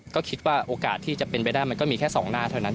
ก็คิดว่าโอกาสที่จะเป็นไปได้มันก็มีแค่๒หน้าเท่านั้น